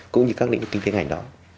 cũng như các lĩnh vực kinh tế ngành đó